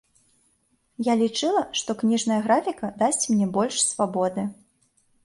Я лічыла, што кніжная графіка дасць мне больш свабоды.